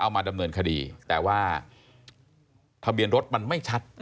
มาดำเนินคดีแต่ว่าทะเบียนรถมันไม่ชัด